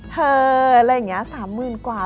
อะไรอย่างนี้๓๐๐๐กว่า